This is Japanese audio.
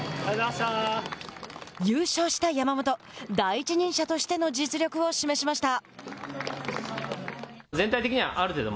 優勝した山本第一人者としての実力を示しました。